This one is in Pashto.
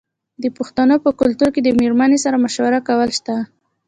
د پښتنو په کلتور کې د میرمنې سره مشوره کول شته.